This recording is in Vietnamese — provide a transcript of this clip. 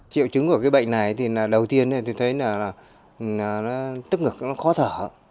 triệu chứng của bệnh này thì đầu tiên tôi thấy là tức ngực khó thở